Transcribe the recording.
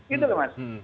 gitu loh mas